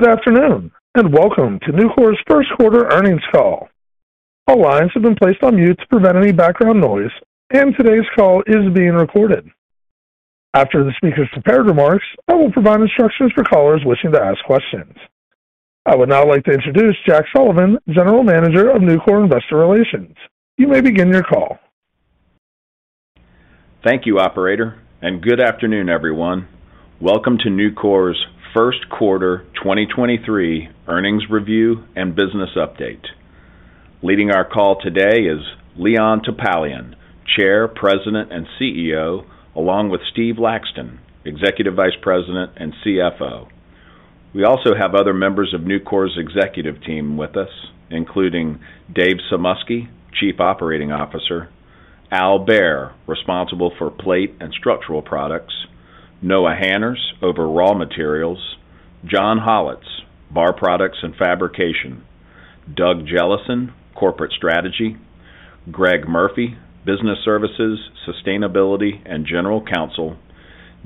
Good afternoon, welcome to Nucor's first quarter earnings call. All lines have been placed on mute to prevent any background noise, today's call is being recorded. After the speaker's prepared remarks, I will provide instructions for callers wishing to ask questions. I would now like to introduce Jack Sullivan, General Manager of Nucor Investor Relations. You may begin your call. Thank you, operator. Good afternoon, everyone. Welcome to Nucor's first quarter 2023 earnings review and business update. Leading our call today is Leon Topalian, Chair, President, and CEO, along with Steve Laxton, Executive Vice President and CFO. We also have other members of Nucor's executive team with us, including David A. Sumoski, Chief Operating Officer, Allen C. Behr, responsible for Plate and Structural Products, Noah Hanners over Raw Materials, John J. Hollatz, Bar Products and Fabrication, Douglas J. Jellison, Corporate Strategy, Greg Murphy, Business Services, Sustainability, and General Counsel,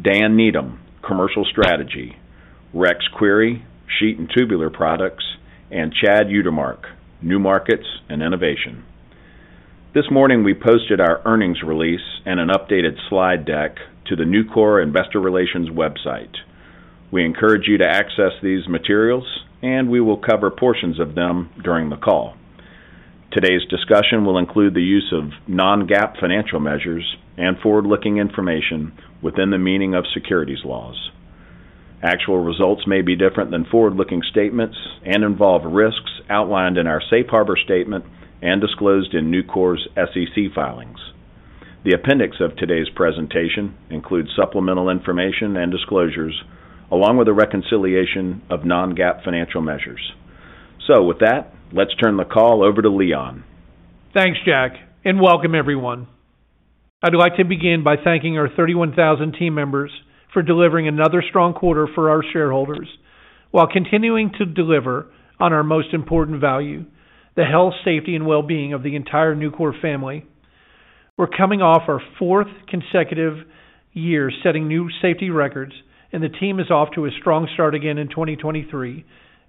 Daniel R. Needham, Commercial Strategy, K. Rex Query, Sheet and Tubular Products, and D. Chad Utermark, New Markets and Innovation. This morning, we posted our earnings release and an updated slide deck to the Nucor Investor Relations website. We encourage you to access these materials. We will cover portions of them during the call. Today's discussion will include the use of non-GAAP financial measures and forward-looking information within the meaning of securities laws. Actual results may be different than forward-looking statements and involve risks outlined in our safe harbor statement and disclosed in Nucor's SEC filings. The appendix of today's presentation includes supplemental information and disclosures along with a reconciliation of non-GAAP financial measures. With that, let's turn the call over to Leon. Thanks, Jack. Welcome everyone. I'd like to begin by thanking our 31,000 team members for delivering another strong quarter for our shareholders while continuing to deliver on our most important value, the health, safety, and well-being of the entire Nucor family. We're coming off our fourth consecutive year setting new safety records, and the team is off to a strong start again in 2023,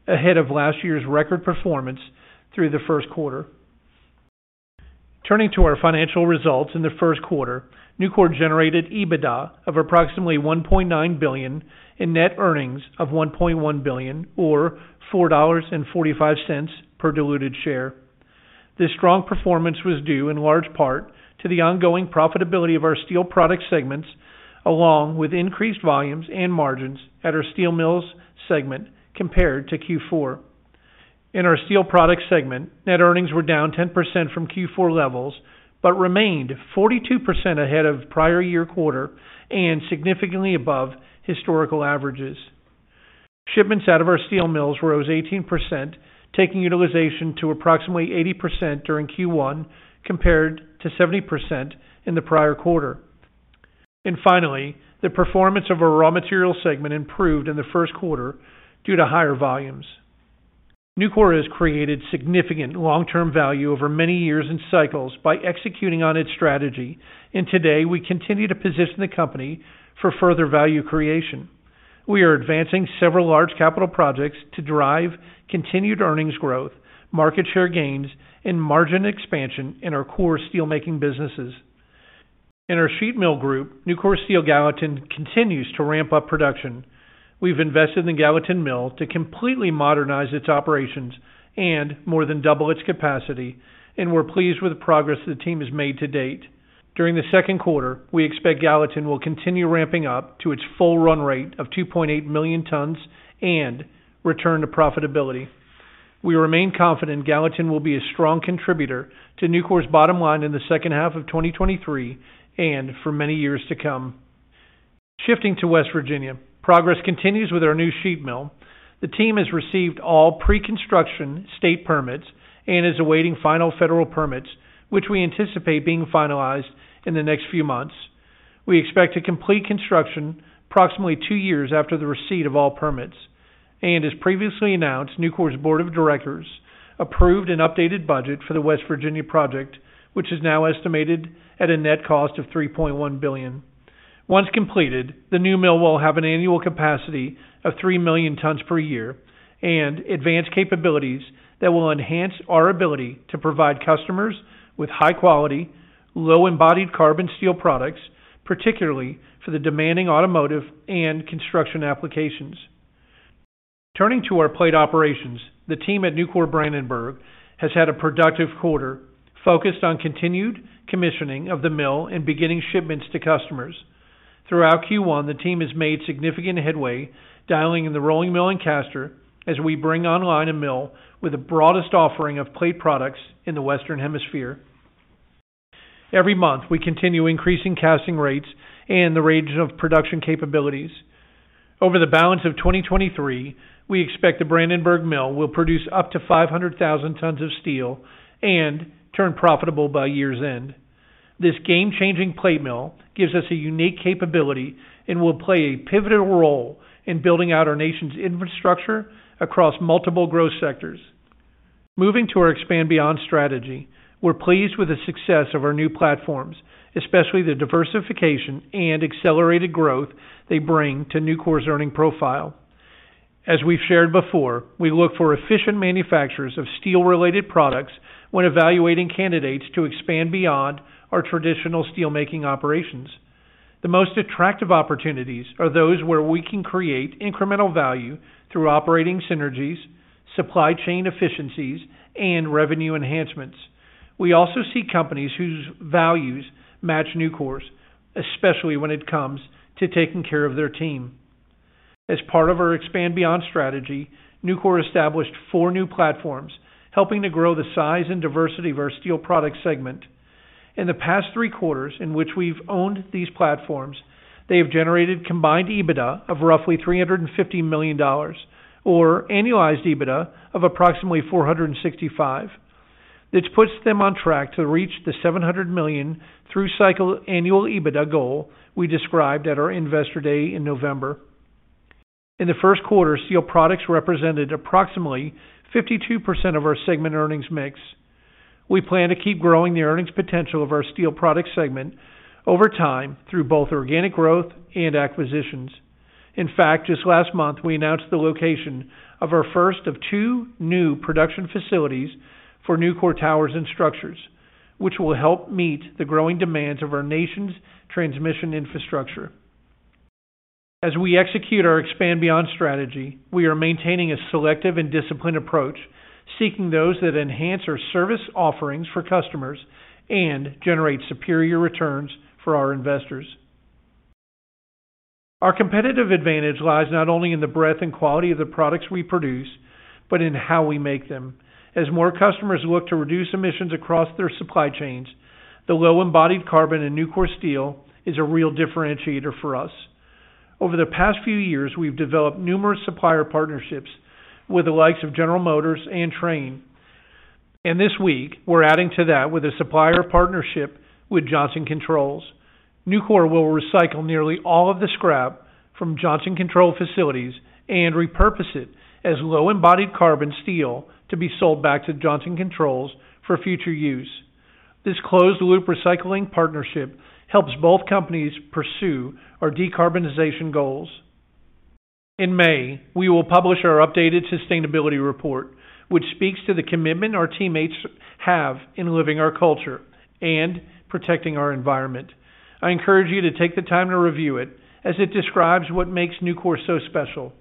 ahead of last year's record performance through the first quarter. Turning to our financial results in the first quarter, Nucor generated EBITDA of approximately $1.9 billion and net earnings of $1.1 billion or $4.45 per diluted share. This strong performance was due in large part to the ongoing profitability of our steel product segments, along with increased volumes and margins at our steel mills segment compared to Q4. In our steel product segment, net earnings were down 10% from Q4 levels but remained 42% ahead of prior year quarter and significantly above historical averages. Shipments out of our steel mills rose 18%, taking utilization to approximately 80% during Q1 compared to 70% in the prior quarter. Finally, the performance of our raw material segment improved in the first quarter due to higher volumes. Nucor has created significant long-term value over many years and cycles by executing on its strategy. Today, we continue to position the company for further value creation. We are advancing several large capital projects to drive continued earnings growth, market share gains, and margin expansion in our core steelmaking businesses. In our sheet mill group, Nucor Steel Gallatin continues to ramp up production. We've invested in the Gallatin Mill to completely modernize its operations and more than double its capacity, and we're pleased with the progress the team has made to date. During the second quarter, we expect Gallatin will continue ramping up to its full run rate of 2.8 million tons and return to profitability. We remain confident Gallatin will be a strong contributor to Nucor's bottom line in the second half of 2023 and for many years to come. Shifting to West Virginia, progress continues with our new sheet mill. The team has received all pre-construction state permits and is awaiting final federal permits, which we anticipate being finalized in the next few months. We expect to complete construction approximately 2 years after the receipt of all permits. As previously announced, Nucor's board of directors approved an updated budget for the West Virginia project, which is now estimated at a net cost of $3.1 billion. Once completed, the new mill will have an annual capacity of 3 million tons per year and advanced capabilities that will enhance our ability to provide customers with high quality, low embodied carbon steel products, particularly for the demanding automotive and construction applications. Turning to our plate operations, the team at Nucor Brandenburg has had a productive quarter focused on continued commissioning of the mill and beginning shipments to customers. Throughout Q1, the team has made significant headway, dialing in the rolling mill and caster as we bring online a mill with the broadest offering of plate products in the Western Hemisphere. Every month, we continue increasing casting rates and the range of production capabilities. Over the balance of 2023, we expect the Brandenburg Mill will produce up to 500,000 tons of steel and turn profitable by year's end. This game-changing plate mill gives us a unique capability and will play a pivotal role in building out our nation's infrastructure across multiple growth sectors. Moving to our Expand Beyond strategy, we're pleased with the success of our new platforms, especially the diversification and accelerated growth they bring to Nucor's earning profile. As we've shared before, we look for efficient manufacturers of steel-related products when evaluating candidates to expand beyond our traditional steelmaking operations. The most attractive opportunities are those where we can create incremental value through operating synergies, supply chain efficiencies, and revenue enhancements. We also see companies whose values match Nucor's, especially when it comes to taking care of their team. As part of our Expand Beyond strategy, Nucor established four new platforms, helping to grow the size and diversity of our steel products segment. In the past three quarters in which we've owned these platforms, they have generated combined EBITDA of roughly $350 million or annualized EBITDA of approximately $465 million. This puts them on track to reach the $700 million through cycle annual EBITDA goal we described at our Investor Day in November. In the first quarter, steel products represented approximately 52% of our segment earnings mix. We plan to keep growing the earnings potential of our steel product segment over time through both organic growth and acquisitions. In fact, just last month, we announced the location of our first of two new production facilities for Nucor Towers & Structures, which will help meet the growing demands of our nation's transmission infrastructure. As we execute our Expand Beyond strategy, we are maintaining a selective and disciplined approach, seeking those that enhance our service offerings for customers and generate superior returns for our investors. Our competitive advantage lies not only in the breadth and quality of the products we produce, but in how we make them. As more customers look to reduce emissions across their supply chains, the low embodied carbon in Nucor steel is a real differentiator for us. Over the past few years, we've developed numerous supplier partnerships with the likes of General Motors and Trane. This week, we're adding to that with a supplier partnership with Johnson Controls. Nucor will recycle nearly all of the scrap from Johnson Controls facilities and repurpose it as low embodied carbon steel to be sold back to Johnson Controls for future use. This closed-loop recycling partnership helps both companies pursue our decarbonization goals. In May, we will publish our updated sustainability report, which speaks to the commitment our teammates have in living our culture and protecting our environment. I encourage you to take the time to review it as it describes what makes Nucor so special.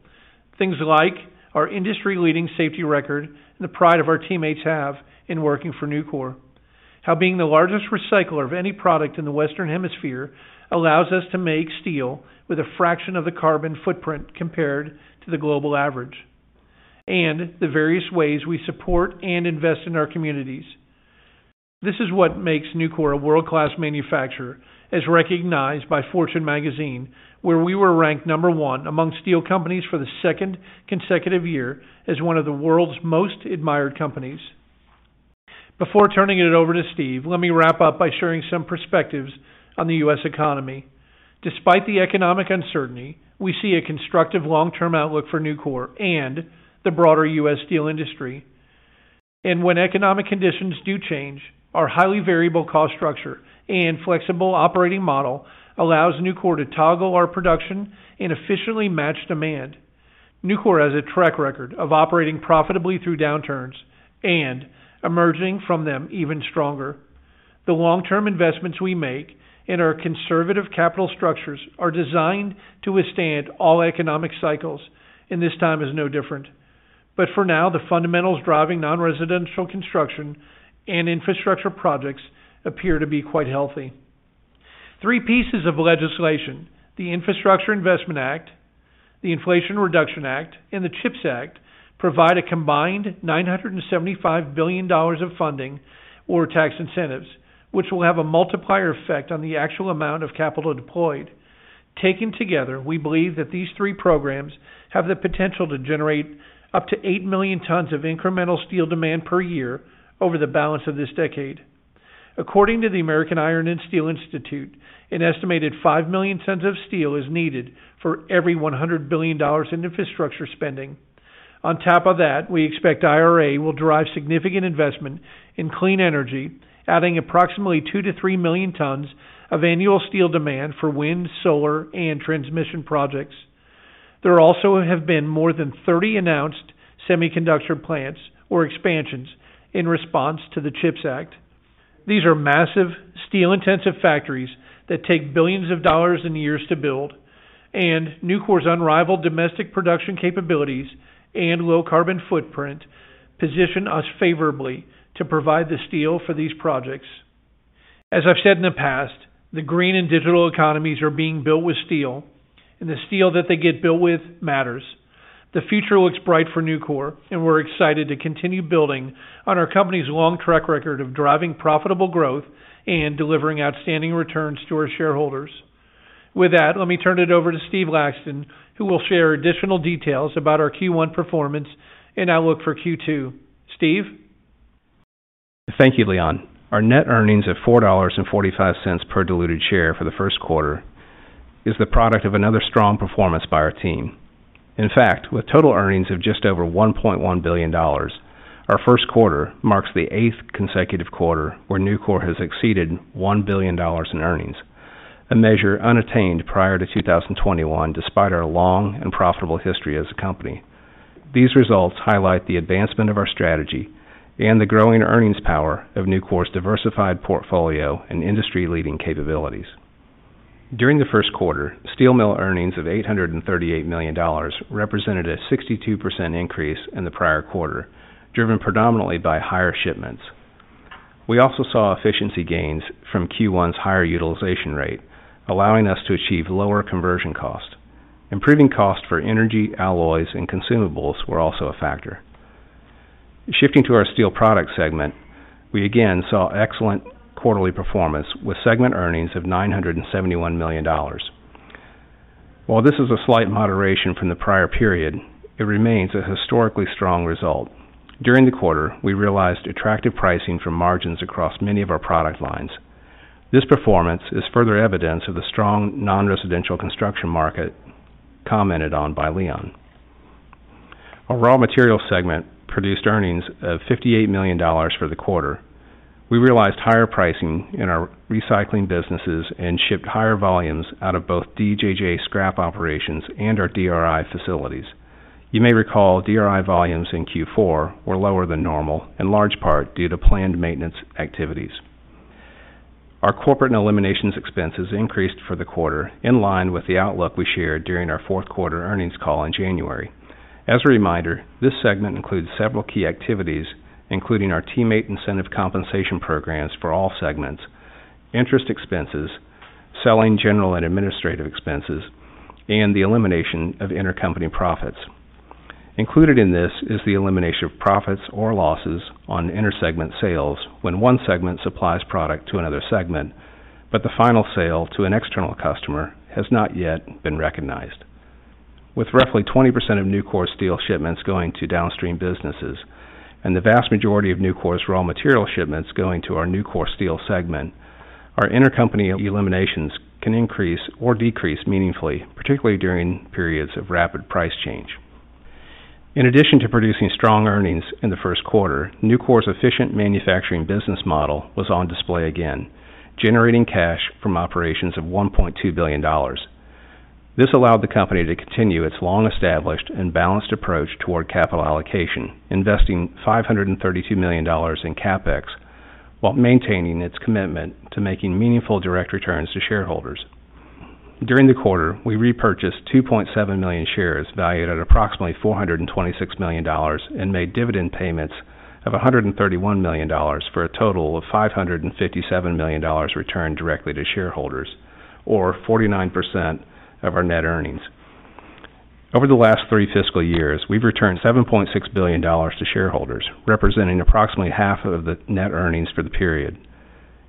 Things like our industry-leading safety record and the pride of our teammates have in working for Nucor. How being the largest recycler of any product in the Western Hemisphere allows us to make steel with a fraction of the carbon footprint compared to the global average, and the various ways we support and invest in our communities. This is what makes Nucor a world-class manufacturer, as recognized by Fortune Magazine, where we were ranked number one among steel companies for the second consecutive year as one of the world's most admired companies. Before turning it over to Steve, let me wrap up by sharing some perspectives on the U.S. economy. Despite the economic uncertainty, we see a constructive long-term outlook for Nucor and the broader U.S. steel industry. When economic conditions do change, our highly variable cost structure and flexible operating model allows Nucor to toggle our production and efficiently match demand. Nucor has a track record of operating profitably through downturns and emerging from them even stronger. The long-term investments we make and our conservative capital structures are designed to withstand all economic cycles, and this time is no different. For now, the fundamentals driving non-residential construction and infrastructure projects appear to be quite healthy. Three pieces of legislation, the Infrastructure Investment Act, the Inflation Reduction Act, and the CHIPS Act, provide a combined $975 billion of funding or tax incentives, which will have a multiplier effect on the actual amount of capital deployed. Taken together, we believe that these three programs have the potential to generate up to 8 million tons of incremental steel demand per year over the balance of this decade. According to the American Iron and Steel Institute, an estimated 5 million tons of steel is needed for every $100 billion in infrastructure spending. On top of that, we expect IRA will drive significant investment in clean energy, adding approximately 2-3 million tons of annual steel demand for wind, solar, and transmission projects. There also have been more than 30 announced semiconductor plants or expansions in response to the CHIPS Act. These are massive steel-intensive factories that take $ billions and years to build, and Nucor's unrivaled domestic production capabilities and low carbon footprint position us favorably to provide the steel for these projects. As I've said in the past, the green and digital economies are being built with steel, and the steel that they get built with matters. The future looks bright for Nucor, and we're excited to continue building on our company's long track record of driving profitable growth and delivering outstanding returns to our shareholders. With that, let me turn it over to Steve Laxton, who will share additional details about our Q1 performance and outlook for Q2. Steve? Thank you, Leon. Our net earnings of $4.45 per diluted share for the first quarter is the product of another strong performance by our team. With total earnings of just over $1.1 billion, our first quarter marks the 8th consecutive quarter where Nucor has exceeded $1 billion in earnings, a measure unattained prior to 2021, despite our long and profitable history as a company. These results highlight the advancement of our strategy and the growing earnings power of Nucor's diversified portfolio and industry-leading capabilities. During the first quarter, steel mill earnings of $838 million represented a 62% increase in the prior quarter, driven predominantly by higher shipments. We also saw efficiency gains from Q1's higher utilization rate, allowing us to achieve lower conversion cost. Improving cost for energy, alloys, and consumables were also a factor. Shifting to our steel products segment, we again saw excellent quarterly performance, with segment earnings of $971 million. While this is a slight moderation from the prior period, it remains a historically strong result. During the quarter, we realized attractive pricing from margins across many of our product lines. This performance is further evidence of the strong non-residential construction market commented on by Leon. Our raw material segment produced earnings of $58 million for the quarter. We realized higher pricing in our recycling businesses and shipped higher volumes out of both DJJ scrap operations and our DRI facilities. You may recall DRI volumes in Q4 were lower than normal, in large part due to planned maintenance activities. Our corporate and eliminations expenses increased for the quarter, in line with the outlook we shared during our fourth quarter earnings call in January. As a reminder, this segment includes several key activities, including our TeamMate incentive compensation programs for all segments, interest expenses, selling, general and administrative expenses, and the elimination of intercompany profits. Included in this is the elimination of profits or losses on inter-segment sales when one segment supplies product to another segment, but the final sale to an external customer has not yet been recognized. With roughly 20% of Nucor Steel shipments going to downstream businesses and the vast majority of Nucor's raw material shipments going to our Nucor Steel segment, our intercompany eliminations can increase or decrease meaningfully, particularly during periods of rapid price change. In addition to producing strong earnings in the first quarter, Nucor's efficient manufacturing business model was on display again, generating cash from operations of $1.2 billion. This allowed the company to continue its long-established and balanced approach toward capital allocation, investing $532 million in CapEx while maintaining its commitment to making meaningful direct returns to shareholders. During the quarter, we repurchased 2.7 million shares valued at approximately $426 million and made dividend payments of $131 million, for a total of $557 million returned directly to shareholders, or 49% of our net earnings. Over the last three fiscal years, we've returned $7.6 billion to shareholders, representing approximately half of the net earnings for the period.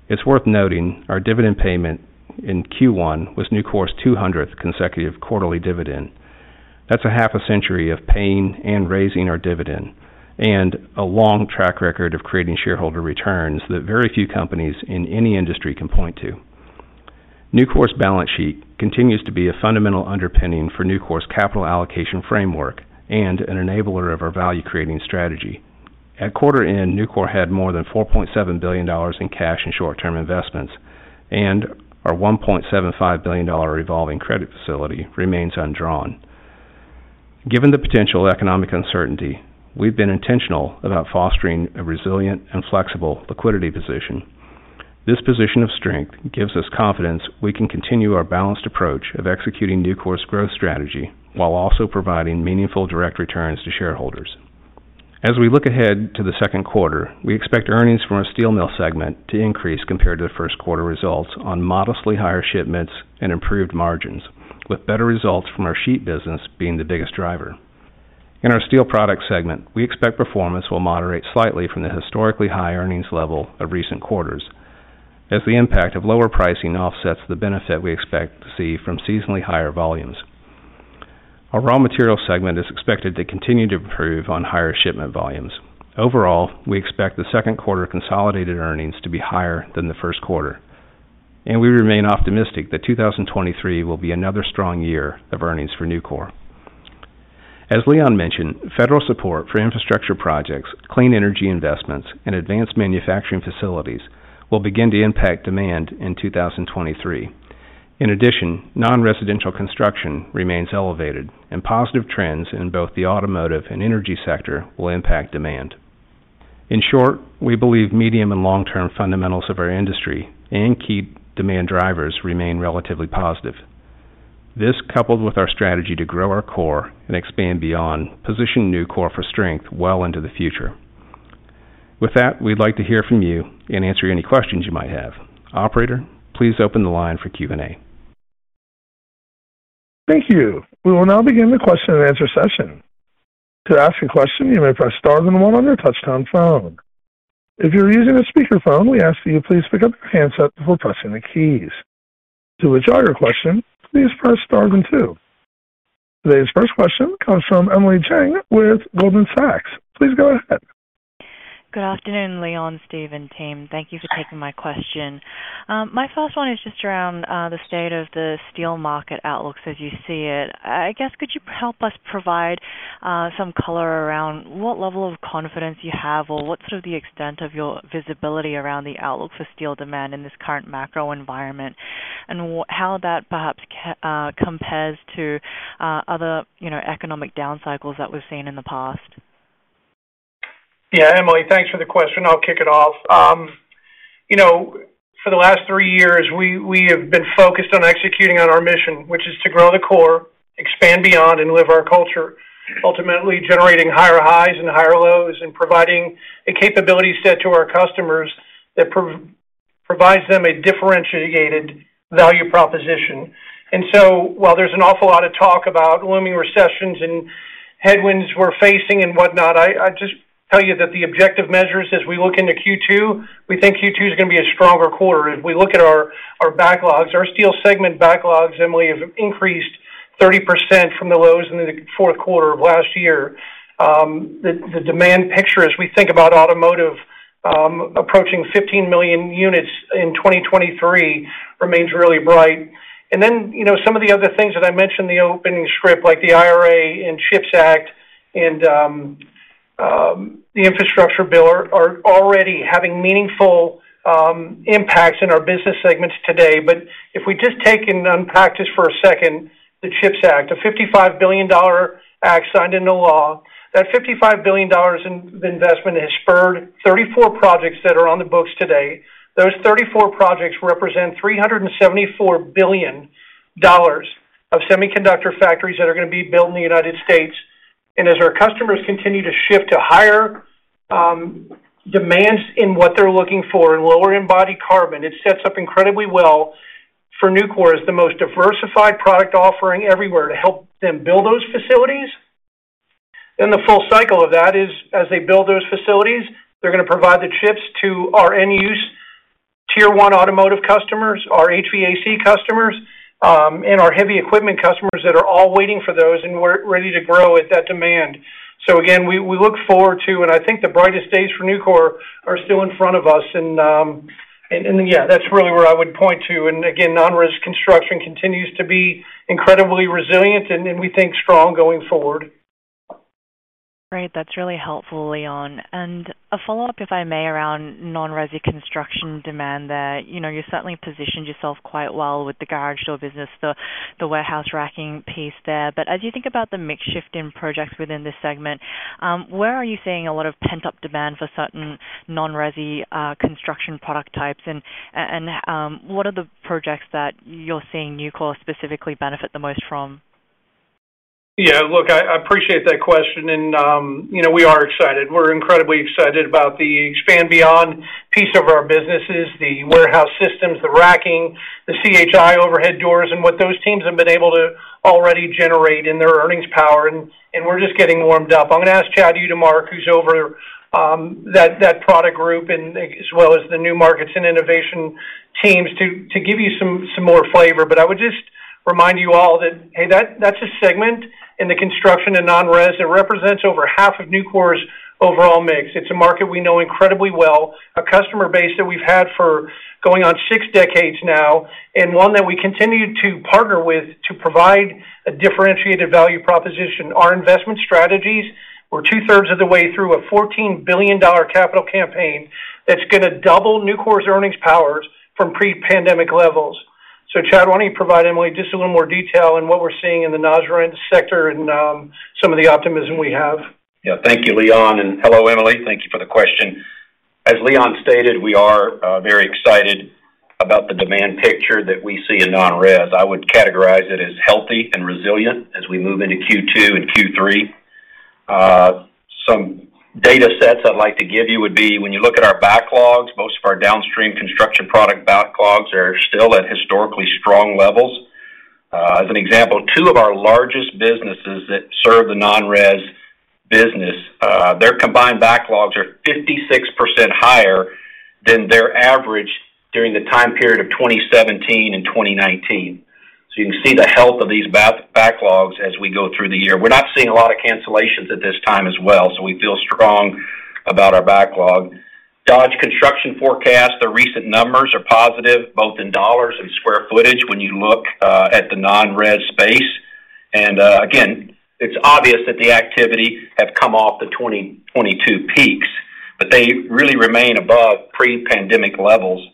It's worth noting our dividend payment in Q1 was Nucor's 200th consecutive quarterly dividend. That's a half a century of paying and raising our dividend, and a long track record of creating shareholder returns that very few companies in any industry can point to. Nucor's balance sheet continues to be a fundamental underpinning for Nucor's capital allocation framework and an enabler of our value-creating strategy. At quarter end, Nucor had more than $4.7 billion in cash and short-term investments, and our $1.75 billion revolving credit facility remains undrawn. Given the potential economic uncertainty, we've been intentional about fostering a resilient and flexible liquidity position. This position of strength gives us confidence we can continue our balanced approach of executing Nucor's growth strategy while also providing meaningful direct returns to shareholders. As we look ahead to the second quarter, we expect earnings from our steel mill segment to increase compared to the first quarter results on modestly higher shipments and improved margins, with better results from our sheet business being the biggest driver. In our steel products segment, we expect performance will moderate slightly from the historically high earnings level of recent quarters as the impact of lower pricing offsets the benefit we expect to see from seasonally higher volumes. Our raw material segment is expected to continue to improve on higher shipment volumes. Overall, we expect the second quarter consolidated earnings to be higher than the first quarter, and we remain optimistic that 2023 will be another strong year of earnings for Nucor. As Leon mentioned, federal support for infrastructure projects, clean energy investments, and advanced manufacturing facilities will begin to impact demand in 2023. In addition, non-residential construction remains elevated, and positive trends in both the automotive and energy sector will impact demand. In short, we believe medium and long-term fundamentals of our industry and key demand drivers remain relatively positive. This, coupled with our strategy to grow our core and Expand Beyond, position Nucor for strength well into the future. With that, we'd like to hear from you and answer any questions you might have. Operator, please open the line for Q&A. Thank you. We will now begin the question and answer session. To ask a question, you may press star then one on your touchtone phone. If you're using a speakerphone, we ask that you please pick up your handset before pressing the keys. To withdraw your question, please press star then two. Today's first question comes from Emily Chieng with Goldman Sachs. Please go ahead. Good afternoon, Leon, Steve, and team. Thank you for taking my question. My first one is just around the state of the steel market outlooks as you see it. I guess could you help us provide some color around what level of confidence you have or what sort of the extent of your visibility around the outlook for steel demand in this current macro environment, and how that perhaps compares to other, you know, economic down cycles that we've seen in the past? Yeah. Emily, thanks for the question. I'll kick it off. You know, for the last 3 years, we have been focused on executing on our mission, which is to grow the core, Expand Beyond, and live our culture, ultimately generating higher highs and higher lows and providing a capability set to our customers that provides them a differentiated value proposition. While there's an awful lot of talk about looming recessions and headwinds we're facing and whatnot, I'd just tell you that the objective measures as we look into Q2, we think Q2 is gonna be a stronger quarter. If we look at our backlogs, our steel segment backlogs, Emily, have increased 30% from the lows in the 4th quarter of last year. The demand picture as we think about automotive, approaching 15 million units in 2023 remains really bright. you know, some of the other things that I mentioned in the opening script, like the IRA and CHIPS Act and the infrastructure bill are already having meaningful impacts in our business segments today. If we just take and practice for a second the CHIPS Act, a $55 billion act signed into law, that $55 billion in investment has spurred 34 projects that are on the books today. Those 34 projects represent $374 billion of semiconductor factories that are gonna be built in the United States. As our customers continue to shift to higher demands in what they're looking for and lower embodied carbon, it sets up incredibly well for Nucor as the most diversified product offering everywhere to help them build those facilities. The full cycle of that is, as they build those facilities, they're gonna provide the chips to our end-use Tier 1 automotive customers, our HVAC customers, and our heavy equipment customers that are all waiting for those and we're ready to grow with that demand. Again, we look forward to, and I think the brightest days for Nucor are still in front of us. Yeah, that's really where I would point to. Again, non-res construction continues to be incredibly resilient and we think strong going forward. Great. That's really helpful, Leon. A follow-up, if I may, around non-resi construction demand there. You know, you certainly positioned yourself quite well with the garage door business, the warehouse racking piece there. As you think about the mix shift in projects within this segment, where are you seeing a lot of pent-up demand for certain non-resi construction product types? What are the projects that you're seeing Nucor specifically benefit the most from? Yeah. Look, I appreciate that question and, you know, we are excited. We're incredibly excited about the Expand Beyond piece of our businesses, the warehouse systems, the racking, the C.H.I. Overhead Doors, and what those teams have been able to already generate in their earnings power, and we're just getting warmed up. I'm gonna ask Chad Utermark, who's over that product group and as well as the new markets and innovation teams to give you more flavor. I would just remind you all that, hey, that's a segment in the construction and non-res that represents over half of Nucor's overall mix. It's a market we know incredibly well, a customer base that we've had for going on 6 decades now, and one that we continue to partner with to provide a differentiated value proposition. Our investment strategies, we're two-thirds of the way through a $14 billion capital campaign that's gonna double Nucor's earnings power from pre-pandemic levels. Chad, why don't you provide Emily just a little more detail on what we're seeing in the non-res sector and some of the optimism we have? Thank you, Leon, and hello, Emily. Thank you for the question. As Leon stated, we are very excited about the demand picture that we see in non-res. I would categorize it as healthy and resilient as we move into Q2 and Q3. Some data sets I'd like to give you would be when you look at our backlogs, most of our downstream construction product backlogs are still at historically strong levels. As an example, two of our largest businesses that serve the non-res business, their combined backlogs are 56% higher than their average during the time period of 2017 and 2019. You can see the health of these backlogs as we go through the year. We're not seeing a lot of cancellations at this time as well, so we feel strong about our backlog. Dodge Construction Forecast, their recent numbers are positive both in dollars and square footage when you look at the non-res space. Again, it's obvious that the activity have come off the 2022 peaks, but they really remain above pre-pandemic levels.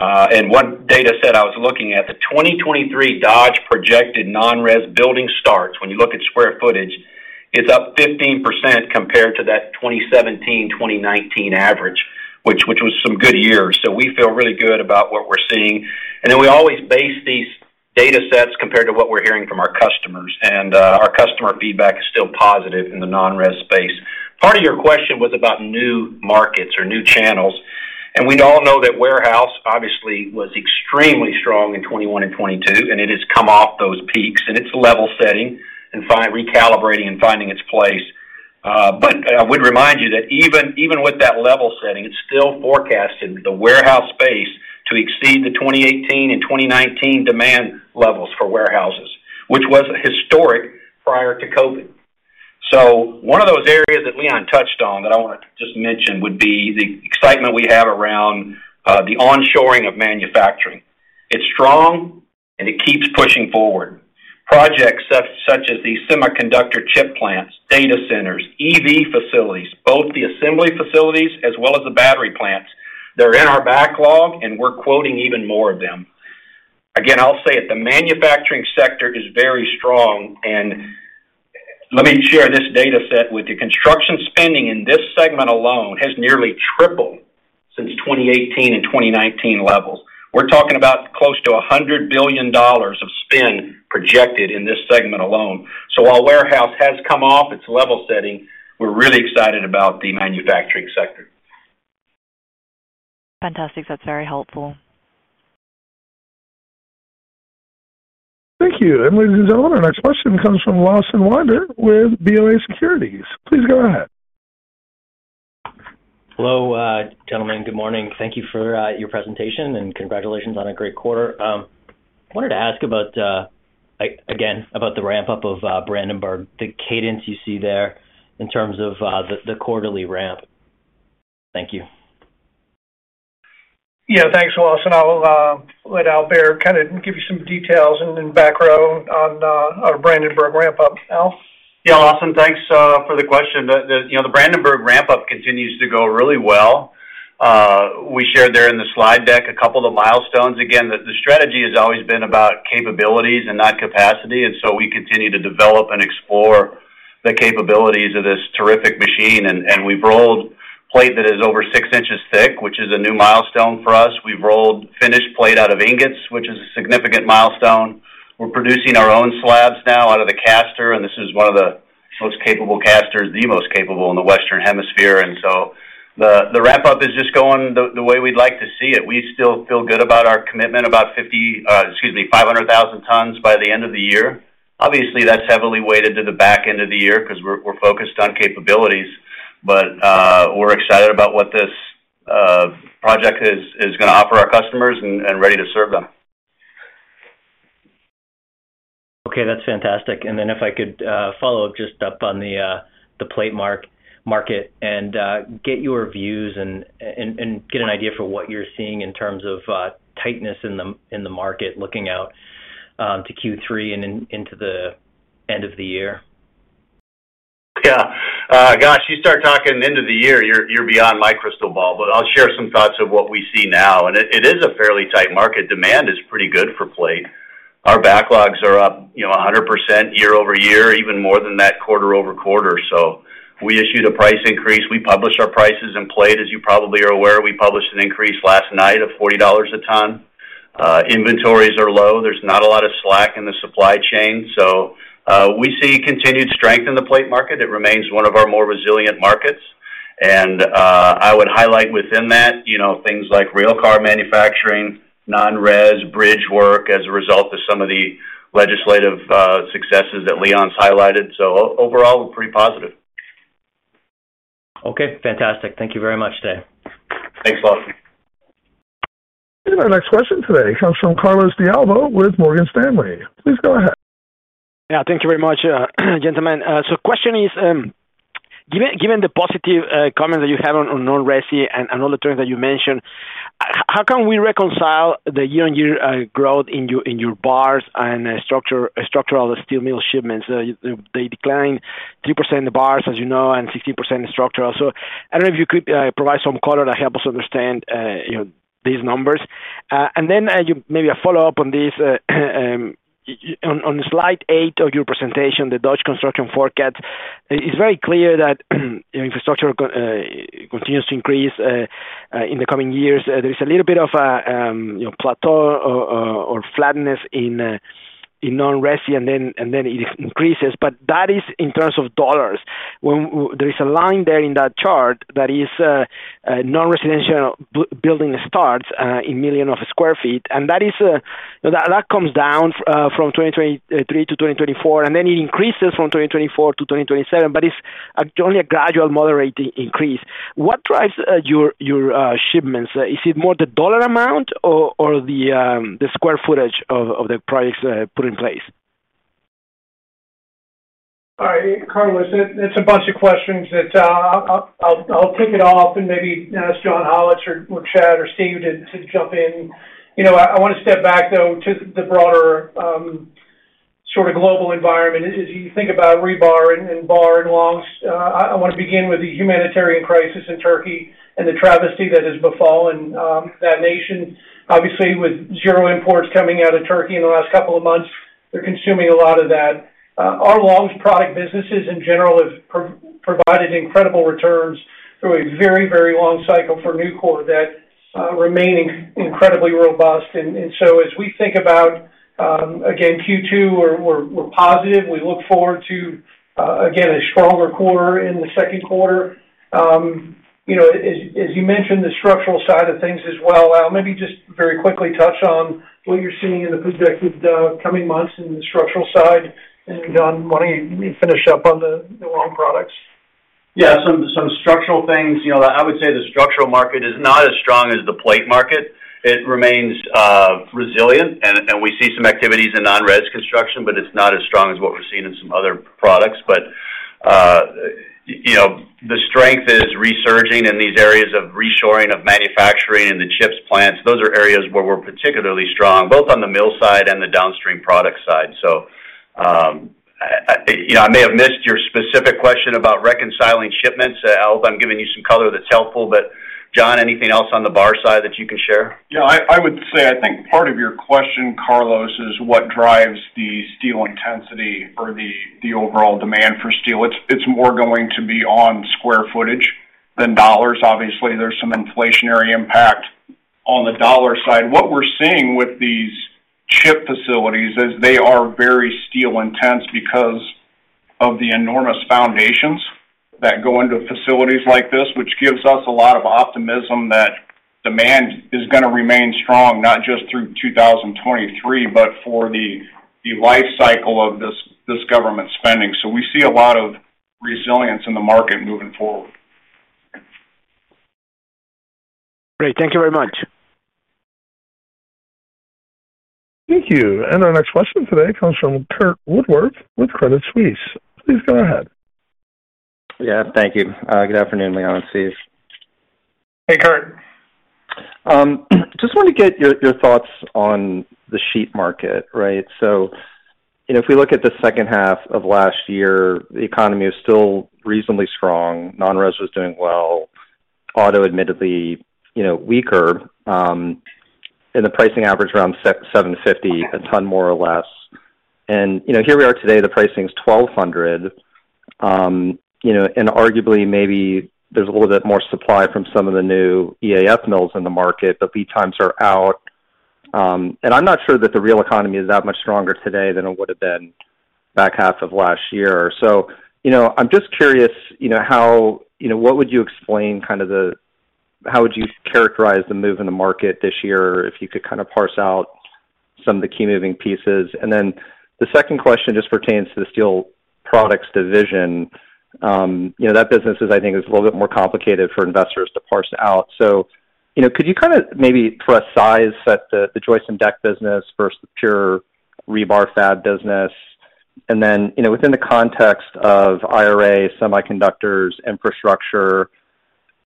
One data set I was looking at, the 2023 Dodge projected non-res building starts, when you look at square footage, is up 15% compared to that 2017-2019 average, which was some good years. We feel really good about what we're seeing. We always base these data sets compared to what we're hearing from our customers, Our customer feedback is still positive in the non-res space. Part of your question was about new markets or new channels, and we all know that warehouse obviously was extremely strong in 21 and 22, and it has come off those peaks and it's level setting and recalibrating and finding its place. I would remind you that even with that level setting, it's still forecasted the warehouse space To exceed the 2018 and 2019 demand levels for warehouses, which was historic prior to COVID. One of those areas that Leon touched on that I want to just mention would be the excitement we have around the onshoring of manufacturing. It's strong and it keeps pushing forward. Projects such as the semiconductor chip plants, data centers, EV facilities, both the assembly facilities as well as the battery plants. They're in our backlog, and we're quoting even more of them. Again, I'll say it, the manufacturing sector is very strong. Let me share this data set with you. Construction spending in this segment alone has nearly tripled since 2018 and 2019 levels. We're talking about close to $100 billion of spend projected in this segment alone. While warehouse has come off, it's level setting. We're really excited about the manufacturing sector. Fantastic. That's very helpful. Thank you. Ladies and gentlemen, our next question comes from Lawson Winder with BofA Securities. Please go ahead. Hello, gentlemen. Good morning. Thank you for your presentation. Congratulations on a great quarter. Wanted to ask about again, about the ramp-up of Brandenburg, the cadence you see there in terms of the quarterly ramp. Thank you. Yeah. Thanks, Lawson. I'll let Al Behr kind of give you some details and then background on our Brandenburg ramp-up. Al? Yeah. Lawson Winder, thanks for the question. The, you know, the Brandenburg ramp-up continues to go really well. We shared there in the slide deck a couple of the milestones. Again, the strategy has always been about capabilities and not capacity. We continue to develop and explore the capabilities of this terrific machine. We've rolled plate that is over 6 inches thick, which is a new milestone for us. We've rolled finished plate out of ingots, which is a significant milestone. We're producing our own slabs now out of the caster. This is one of the most capable casters, the most capable in the Western Hemisphere. The ramp-up is just going the way we'd like to see it. We still feel good about our commitment, about 500,000 tons by the end of the year. Obviously, that's heavily weighted to the back end of the year 'cause we're focused on capabilities. We're excited about what this project is gonna offer our customers and ready to serve them. Okay. That's fantastic. If I could follow up just up on the plate market and get your views and get an idea for what you're seeing in terms of tightness in the market looking out to Q3 and into the end of the year? Yeah. Gosh, you start talking end of the year, you're beyond my crystal ball. I'll share some thoughts of what we see now. It is a fairly tight market. Demand is pretty good for plate. Our backlogs are up, you know, 100% year-over-year, even more than that quarter-over-quarter. We issued a price increase. We published our prices in plate. As you probably are aware, we published an increase last night of $40 a ton. Inventories are low. There's not a lot of slack in the supply chain. We see continued strength in the plate market. It remains one of our more resilient markets. I would highlight within that, you know, things like rail car manufacturing, non-res, bridge work as a result of some of the legislative successes that Leon's highlighted. Overall, we're pretty positive. Okay. Fantastic. Thank you very much today. Thanks, Lawson. Our next question today comes from Carlos De Alba with Morgan Stanley. Please go ahead. Yeah. Thank you very much, gentlemen. Question is, given the positive comments that you have on non-resi and all the terms that you mentioned, how can we reconcile the year-on-year growth in your bars and structural steel mill shipments? They declined 3% in the bars, as you know, and 15% in structural. I don't know if you could provide some color to help us understand, you know, these numbers. Maybe a follow-up on this. On slide 8 of your presentation, the Dodge Construction forecast, it's very clear that, you know, infrastructure continues to increase in the coming years. There is a little bit of a, you know, plateau or flatness in non-resi, and then it increases. That is in terms of dollars. When there is a line there in that chart that is non-residential building starts in million sq ft. That is that comes down from 2023, 3 to 2024, and then it increases from 2024 to 2027, but it's only a gradual moderate increase. What drives your shipments? Is it more the dollar amount or the square footage of the products put in place? All right. Carlos De Alba, it's a bunch of questions that I'll kick it off and maybe ask John Hollatz or Chad Utermark or Stephen D. Laxton to jump in. You know, I wanna step back, though, to the broader sort of global environment. As you think about rebar and bar and longs, I wanna begin with the humanitarian crisis in Turkey and the travesty that has befallen that nation. Obviously, with 0 imports coming out of Turkey in the last couple of months, they're consuming a lot of that. Our longs product businesses in general has provided incredible returns through a very, very long cycle for Nucor Corporation that remain incredibly robust. As we think about again, Q2, we're positive. We look forward to again, a stronger quarter in the second quarter. You know, as you mentioned, the structural side of things as well. I'll maybe just very quickly touch on what you're seeing in the coming months in the structural side. John, why don't you finish up on the long products? Yeah, some structural things. You know, I would say the structural market is not as strong as the plate market. It remains resilient and we see some activities in non-res construction, but it's not as strong as what we're seeing in some other products. You know, the strength is resurging in these areas of reshoring, of manufacturing in the CHIPS plants. Those are areas where we're particularly strong, both on the mill side and the downstream product side. You know, I may have missed your specific question about reconciling shipments. I hope I'm giving you some color that's helpful. John, anything else on the bar side that you can share? Yeah, I would say, I think part of your question, Carlos, is what drives the steel intensity or the overall demand for steel. It's, it's more going to be on square footage than dollars. Obviously, there's some inflationary impact on the dollar side. What we're seeing with these chip facilities is they are very steel intense because of the enormous foundations that go into facilities like this, which gives us a lot of optimism that demand is gonna remain strong, not just through 2023, but for the life cycle of this government spending. We see a lot of resilience in the market moving forward. Great. Thank you very much. Thank you. Our next question today comes from Curt Woodworth with Credit Suisse. Please go ahead. Yeah, thank you. Good afternoon, Leon, Steve. Hey, Curt. Just want to get your thoughts on the sheet market, right? You know, if we look at the second half of last year, the economy is still reasonably strong. Non-res was doing well. Auto admittedly, you know, weaker, and the pricing average around $750 a ton, more or less. You know, here we are today, the pricing is $1,200, you know, and arguably, maybe there's a little bit more supply from some of the new EAF mills in the market. The lead times are out. I'm not sure that the real economy is that much stronger today than it would have been back half of last year. You know, I'm just curious, you know, how... You know, what would you explain kind of how would you characterize the move in the market this year, if you could kind of parse out some of the key moving pieces? Then the second question just pertains to the steel products division. You know, that business is, I think, is a little bit more complicated for investors to parse out. You know, could you kind of maybe size set the joist and deck business versus the pure rebar fab business? Then, you know, within the context of IRA, semiconductors, infrastructure,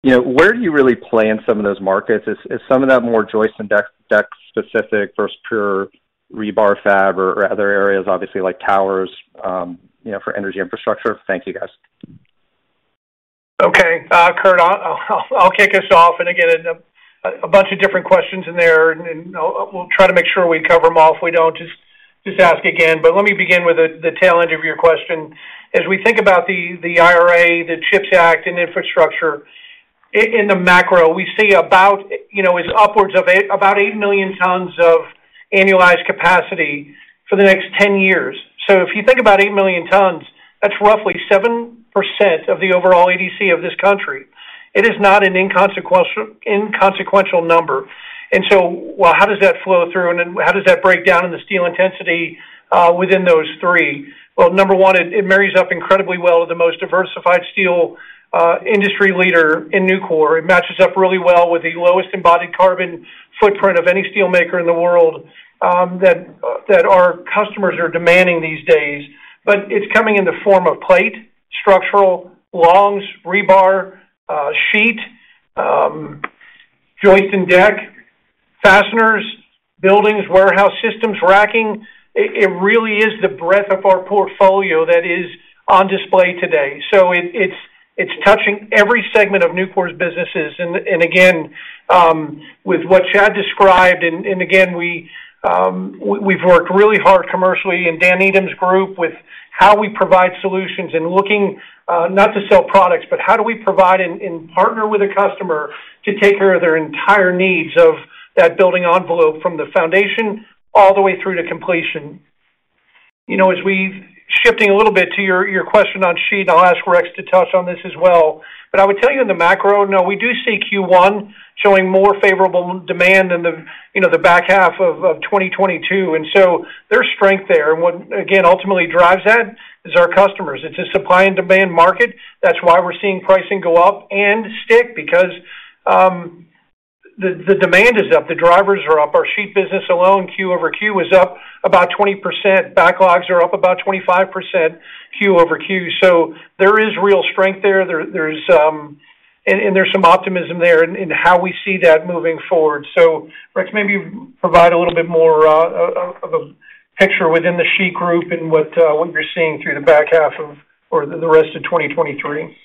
you know, where do you really play in some of those markets? Is some of that more joist and deck-specific versus pure rebar fab or other areas, obviously, like towers, you know, for energy infrastructure? Thank you, guys. Okay. Curt, I'll kick us off. Again, a bunch of different questions in there, and we'll try to make sure we cover them all. If we don't, just ask again. Let me begin with the tail end of your question. As we think about the IRA, the CHIPS Act and infrastructure, in the macro, we see about, you know, it's upwards of about 8 million tons of annualized capacity for the next 10 years. If you think about 8 million tons, that's roughly 7% of the overall ADC of this country. It is not an inconsequential number. How does that flow through and how does that break down in the steel intensity within those three? Number one, it marries up incredibly well with the most diversified steel industry leader in Nucor. It matches up really well with the lowest embodied carbon footprint of any steelmaker in the world that our customers are demanding these days. It's coming in the form of plate, structural, longs, rebar, sheet, joist and deck, fasteners, buildings, warehouse systems, racking. It really is the breadth of our portfolio that is on display today. It's touching every segment of Nucor's businesses. Again, with what Chad described, and, again, we've worked really hard commercially in Dan Needham's group with how we provide solutions and looking, not to sell products, but how do we provide and partner with a customer to take care of their entire needs of that building envelope from the foundation all the way through to completion. You know, as we shifting a little bit to your question on sheet, and I'll ask Rex to touch on this as well, but I would tell you in the macro, no, we do see Q1 showing more favorable demand in the, you know, the back half of 2022. So there's strength there. What, again, ultimately drives that is our customers. It's a supply and demand market. That's why we're seeing pricing go up and stick because the demand is up, the drivers are up. Our sheet business alone, Q-over-Q, is up about 20%. Backlogs are up about 25% Q-over-Q. There is real strength there. There's some optimism there in how we see that moving forward. Rex, maybe provide a little bit more of a picture within the sheet group and what you're seeing through the back half of or the rest of 2023.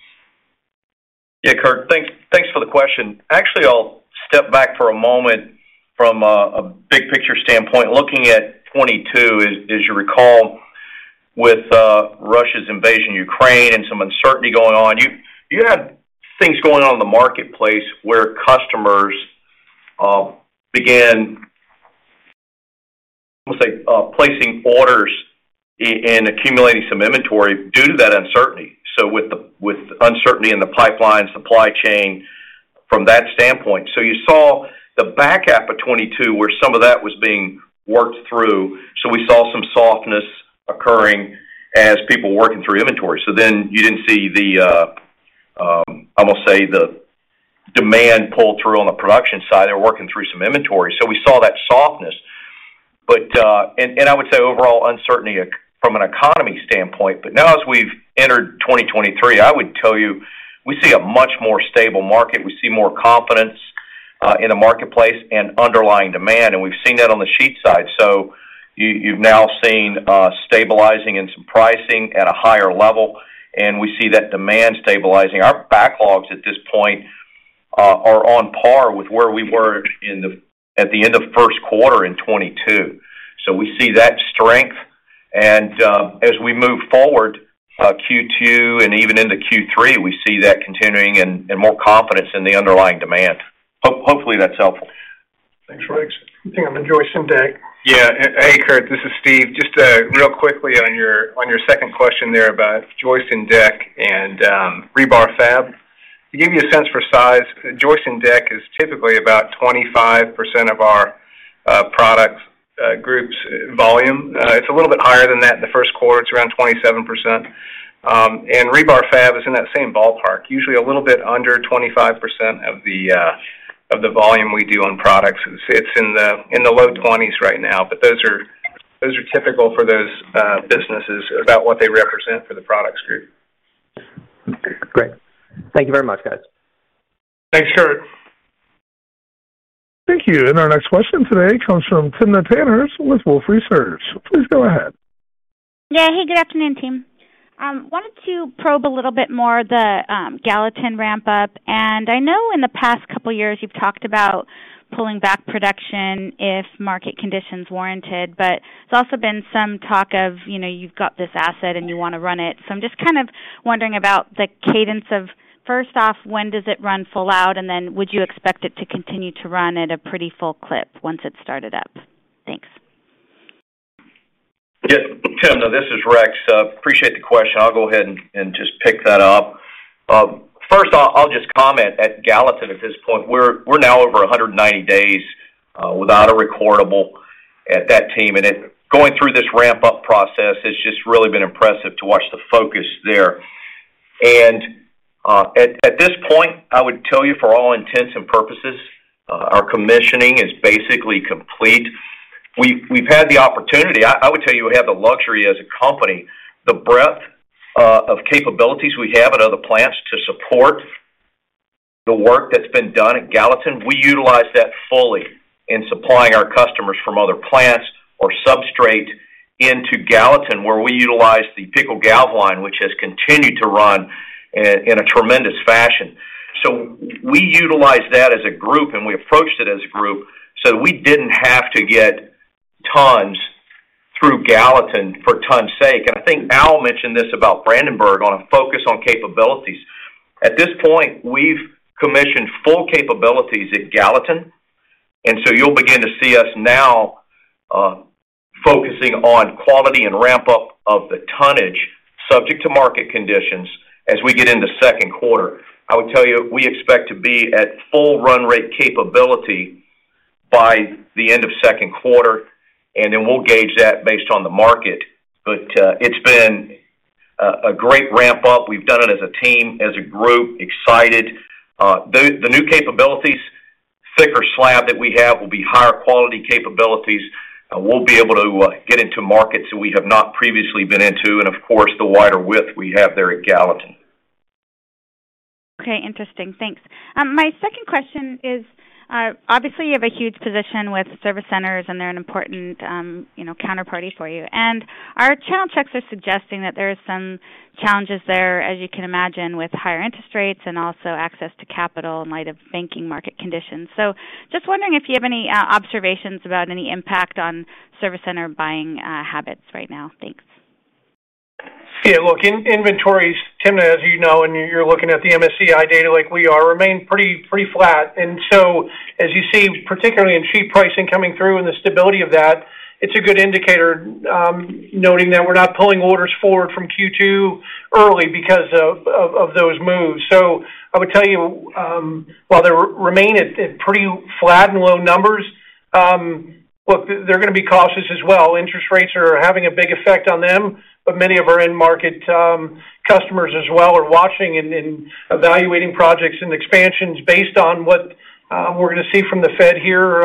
Yeah, Curt, thanks for the question. Actually, I'll step back for a moment from a big picture standpoint. Looking at 22, as you recall, with Russia's invasion of Ukraine and some uncertainty going on, you had things going on in the marketplace where customers began, let's say, placing orders and accumulating some inventory due to that uncertainty. With uncertainty in the pipeline, supply chain. From that standpoint. You saw the back half of 2022, where some of that was being worked through. We saw some softness occurring as people working through inventory. You didn't see the, I'm gonna say, the demand pull through on the production side. They're working through some inventory. We saw that softness. And I would say overall uncertainty from an economy standpoint. Now, as we've entered 2023, I would tell you, we see a much more stable market. We see more confidence in the marketplace and underlying demand, and we've seen that on the sheet side. You, you've now seen stabilizing and some pricing at a higher level, and we see that demand stabilizing. Our backlogs at this point, are on par with where we were at the end of first quarter in 2022. We see that strength. As we move forward, Q2 and even into Q3, we see that continuing and more confidence in the underlying demand. Hopefully that's helpful. Thanks, Rex. I think on the joist and deck. Yeah. Hey, Curt, this is Steve. Just real quickly on your second question there about joist and deck and rebar fab. To give you a sense for size, joist and deck is typically about 25% of our products groups volume. It's a little bit higher than that in the first quarter. It's around 27%. Rebar fab is in that same ballpark, usually a little bit under 25% of the volume we do on products. It's in the low twenties right now, those are typical for those businesses about what they represent for the products group. Great. Thank you very much, guys. Thanks, Curt. Thank you. Our next question today comes from Timna Tanners with Wolfe Research. Please go ahead. Yeah. Hey, good afternoon, team. Wanted to probe a little bit more the Gallatin ramp up. I know in the past couple years you've talked about pulling back production if market conditions warranted, but there's also been some talk of, you know, you've got this asset and you wanna run it. I'm just kind of wondering about the cadence of, first off, when does it run full out? Would you expect it to continue to run at a pretty full clip once it started up? Thanks. Yes. Timna, this is Rex. Appreciate the question. I'll go ahead and just pick that up. First I'll just comment at Gallatin at this point. We're now over 190 days without a recordable at that team. Going through this ramp-up process, it's just really been impressive to watch the focus there. At this point, I would tell you, for all intents and purposes, our commissioning is basically complete. We've had the opportunity. I would tell you we have the luxury as a company, the breadth of capabilities we have at other plants to support the work that's been done at Gallatin. We utilize that fully in supplying our customers from other plants or substrate into Gallatin, where we utilize the Pickle Galv line, which has continued to run in a tremendous fashion. We utilize that as a group, and we approached it as a group, so we didn't have to get tons through Gallatin for ton's sake. I think Al mentioned this about Brandenburg on a focus on capabilities. At this point, we've commissioned full capabilities at Gallatin, and so you'll begin to see us now focusing on quality and ramp up of the tonnage subject to market conditions as we get into second quarter. I would tell you, we expect to be at full run rate capability by the end of second quarter, and then we'll gauge that based on the market. It's been a great ramp up. We've done it as a team, as a group, excited. The new capabilities, thicker slab that we have will be higher quality capabilities, we'll be able to get into markets that we have not previously been into, and of course, the wider width we have there at Gallatin. Okay. Interesting. Thanks. My second question is, obviously you have a huge position with service centers, and they're an important, you know, counterparty for you. Our channel checks are suggesting that there are some challenges there, as you can imagine, with higher interest rates and also access to capital in light of banking market conditions. Just wondering if you have any observations about any impact on service center buying habits right now. Thanks. Look, inventories, Timna, as you know, and you're looking at the MSCI data like we are, remain pretty flat. As you see, particularly in sheet pricing coming through and the stability of that, it's a good indicator, noting that we're not pulling orders forward from Q2 early because of those moves. I would tell you, while they remain at pretty flat and low numbers, look, they're gonna be cautious as well. Interest rates are having a big effect on them, many of our end market customers as well are watching and evaluating projects and expansions based on what we're gonna see from the Fed here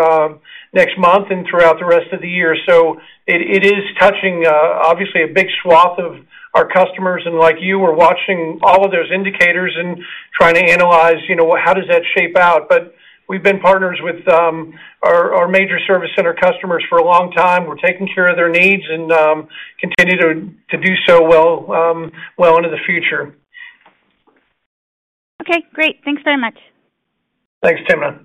next month and throughout the rest of the year. It is touching, obviously a big swath of our customers. Like you, we're watching all of those indicators and trying to analyze, you know, how does that shape out. We've been partners with our major service center customers for a long time. We're taking care of their needs and continue to do so well well into the future. Okay, great. Thanks very much. Thanks, Timna.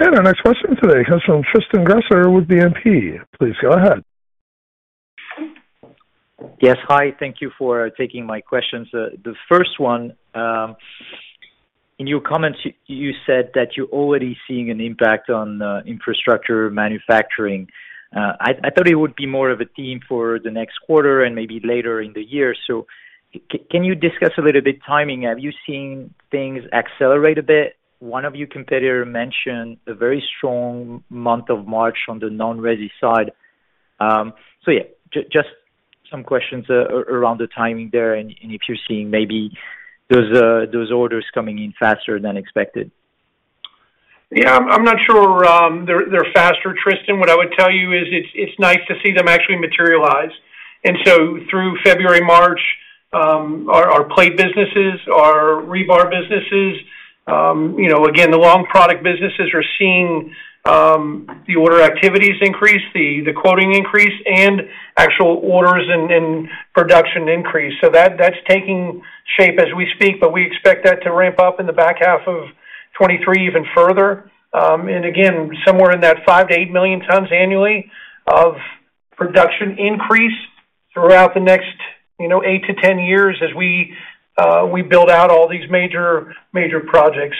Our next question today comes from Tristan Gresser with BNP. Please go ahead. Yes. Hi. Thank you for taking my questions. The first one, in your comments, you said that you're already seeing an impact on infrastructure manufacturing. I thought it would be more of a theme for the next quarter and maybe later in the year. Can you discuss a little bit timing? Have you seen things accelerate a bit? One of your competitor mentioned a very strong month of March on the non-resi side. Yeah, just some questions around the timing there and if you're seeing maybe those orders coming in faster than expected. Yeah. I'm not sure they're faster, Tristan. What I would tell you is it's nice to see them actually materialize. Through February, March, our plate businesses, our rebar businesses, you know, again, the long product businesses are seeing the order activities increase, the quoting increase, and actual orders and production increase. That's taking shape as we speak, but we expect that to ramp up in the back half of 2023 even further. And again, somewhere in that 5 million-8 million tons annually of production increase throughout the next, you know, 8-10 years as we build out all these major projects.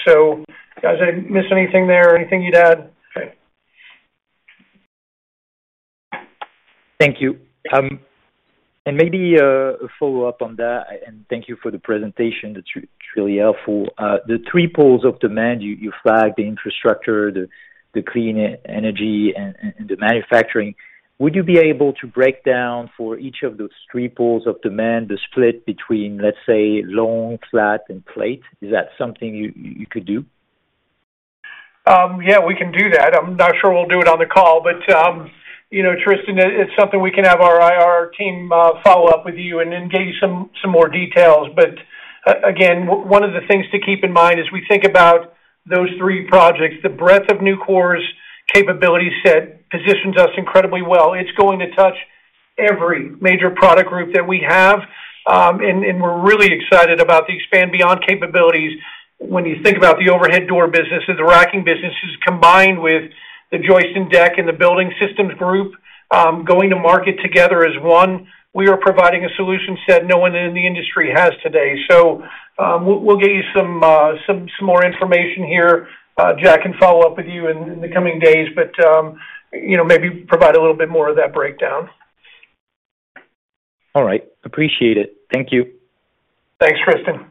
Guys, I miss anything there? Anything you'd add? Thank you. Maybe a follow-up on that, thank you for the presentation. It's truly helpful. The three pools of demand, you flagged the infrastructure, the clean energy, and the manufacturing. Would you be able to break down for each of those three pools of demand, the split between, let's say, long, flat, and plate? Is that something you could do? Yeah, we can do that. I'm not sure we'll do it on the call, but, you know, Tristan, it's something we can have our IR team follow up with you and then give you some more details. Again, one of the things to keep in mind as we think about those three projects, the breadth of Nucor's capability set positions us incredibly well. It's going to touch every major product group that we have. We're really excited about the Expand Beyond capabilities. When you think about the overhead door business and the racking businesses combined with the joist and deck, and the building systems group, going to market together as one, we are providing a solution set no one in the industry has today. We'll get you some more information here. Jack can follow up with you in the coming days, but, you know, maybe provide a little bit more of that breakdown. All right. Appreciate it. Thank you. Thanks, Tristan.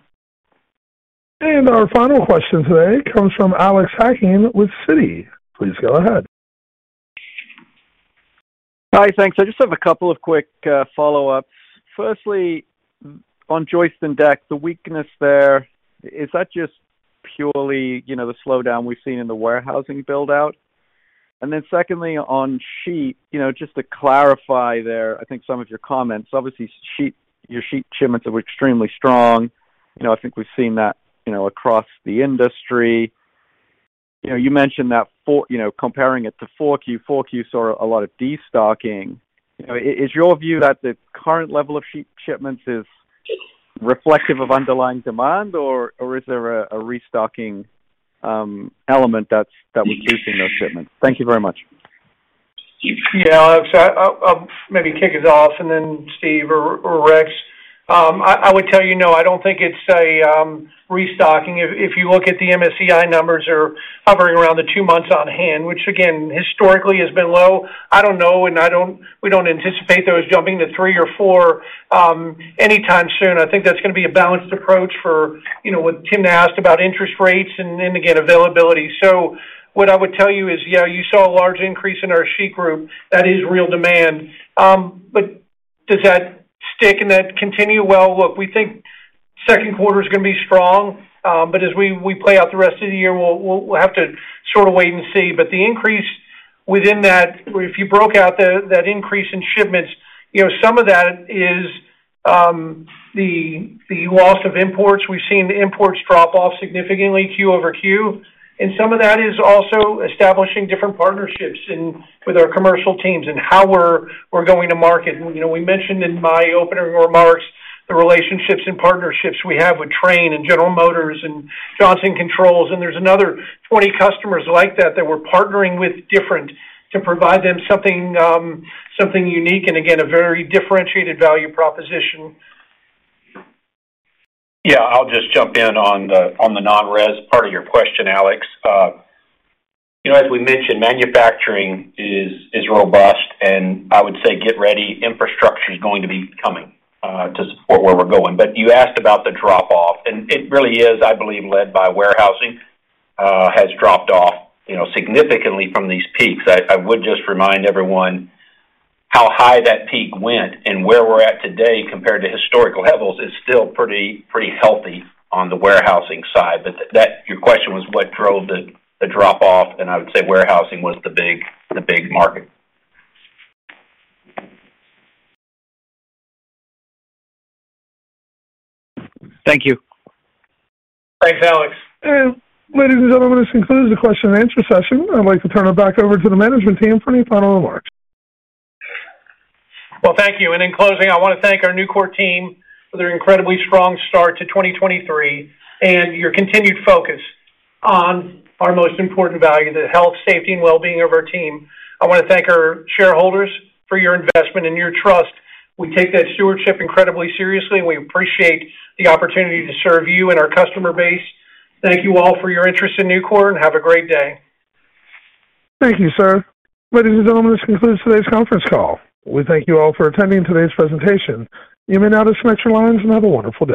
Our final question today comes from Alex Hacking with Citi. Please go ahead. Hi. Thanks. I just have a couple of quick follow-ups. Firstly, on joist and deck, the weakness there, is that just purely, you know, the slowdown we've seen in the warehousing build-out? Secondly, on sheet, you know, just to clarify there, I think some of your comments, obviously your sheet shipments are extremely strong. You know, I think we've seen that, you know, across the industry. You know, you mentioned that for, you know, comparing it to 4Q. 4Q saw a lot of destocking. You know, is your view that the current level of sheet shipments is reflective of underlying demand or is there a restocking element that we see in those shipments? Thank you very much. Yeah. I'll maybe kick us off, and then Steve or Rex. I would tell you, no, I don't think it's a restocking. If you look at the MSCI numbers are hovering around the 2 months on hand, which again, historically has been low. I don't know, we don't anticipate those jumping to 3 or 4 anytime soon. I think that's gonna be a balanced approach for, you know, what Tim asked about interest rates and then again, availability. What I would tell you is, yeah, you saw a large increase in our sheet group. That is real demand. Does that stick and that continue? Well, look, we think second quarter is gonna be strong, as we play out the rest of the year, we'll have to sort of wait and see. The increase within that, if you broke out the, that increase in shipments, you know, some of that is, the loss of imports. We've seen the imports drop off significantly Q-over-Q. Some of that is also establishing different partnerships and with our commercial teams and how we're going to market. You know, we mentioned in my opening remarks the relationships and partnerships we have with Trane and General Motors and Johnson Controls, and there's another 20 customers like that that we're partnering with different to provide them something unique and again, a very differentiated value proposition. I'll just jump in on the non-res part of your question, Alex. You know, as we mentioned, manufacturing is robust and I would say get ready, infrastructure is going to be coming to support where we're going. You asked about the drop off, and it really is, I believe led by warehousing, has dropped off, you know, significantly from these peaks. I would just remind everyone how high that peak went and where we're at today compared to historical levels is still pretty healthy on the warehousing side. Your question was what drove the drop off, and I would say warehousing was the big market. Thank you. Thanks, Alex. Ladies and gentlemen, this concludes the question and answer session. I'd like to turn it back over to the management team for any final remarks. Well, thank you. In closing, I wanna thank our Nucor team for their incredibly strong start to 2023, and your continued focus on our most important value, the health, safety and wellbeing of our team. I wanna thank our shareholders for your investment and your trust. We take that stewardship incredibly seriously, and we appreciate the opportunity to serve you and our customer base. Thank you all for your interest in Nucor, and have a great day. Thank you, sir. Ladies and gentlemen, this concludes today's conference call. We thank you all for attending today's presentation. You may now disconnect your lines and have a wonderful day.